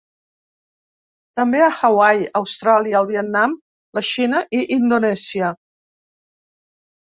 També a Hawaii, Austràlia, el Vietnam, la Xina i Indonèsia.